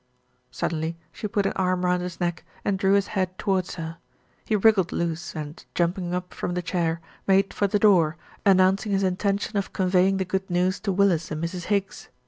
Suddenly she put an arm round his neck and drew his head towards her. He wriggled loose and, jumping up from the chair, made for the door, announcing his intention of conveying the good news to Willis and Mrs. Higgs.